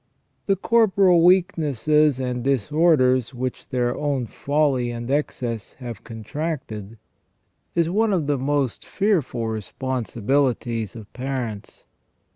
The corporal weaknesses and disorders which their own folly and excess have contracted is one of the most fearful responsibilities of parents.